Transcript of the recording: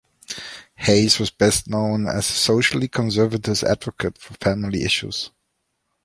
Hayes was best known as a socially conservative advocate for family issues.